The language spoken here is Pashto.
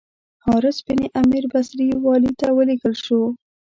حارث بن عمیر بصري والي ته ولېږل شو.